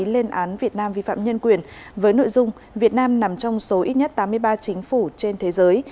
lên án việt nam vi phạm nhân quyền với nội dung việt nam nằm trong số ít nhất tám mươi ba chính phủ trên thế giới